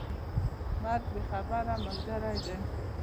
مرګ بې خبره ملګری دی.